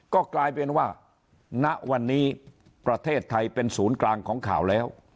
ก็กลายเป็นว่าณวันนี้ประเทศไทยเป็นศูนย์กลางของข่าวแล้ว